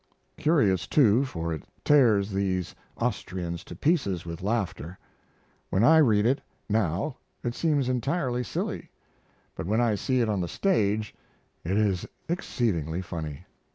Curious, too, for it tears these Austrians to pieces with laughter. When I read it, now, it seems entirely silly; but when I see it on the stage it is exceedingly funny.